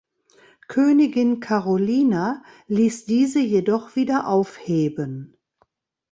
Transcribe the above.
Königin Karolina ließ diese jedoch wieder aufheben.